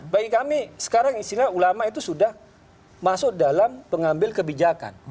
bagi kami sekarang istilah ulama itu sudah masuk dalam pengambil kebijakan